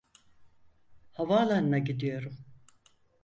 Havaalanına gidiyorum.